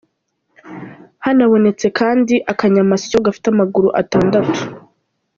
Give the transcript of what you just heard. Hanabonetse kandi akanyamasyo gafite amaguru atandatu.